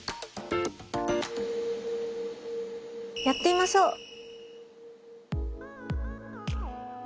やってみましょう。